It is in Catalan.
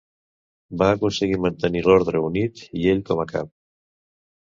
Va aconseguir mantenir l'orde unit i ell com a cap.